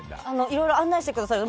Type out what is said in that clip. いろいろ案内してくださる。